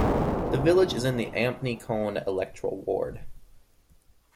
The village is in the Ampney-Coln electoral ward.